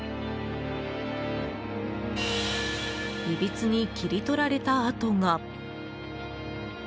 いびつに切り取られた跡が。